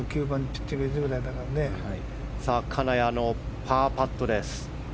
金谷のパーパット。